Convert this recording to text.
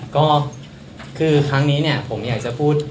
ก็คือครั้งนี้เนี่ยผมอยากจะพูด